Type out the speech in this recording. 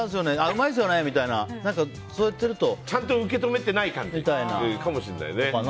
うまいですよねみたいなやってると。ちゃんと受け止めてない感じかもしれないよね。